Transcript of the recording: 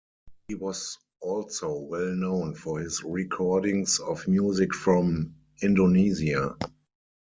He was also well known for his recordings of music from Indonesia.